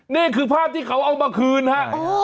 นี่คือภาพที่เขาเอามาคืนฮะ